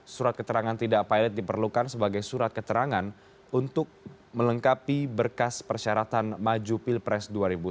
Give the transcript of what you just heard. surat keterangan tidak pilot diperlukan sebagai surat keterangan untuk melengkapi berkas persyaratan maju pilpres dua ribu sembilan belas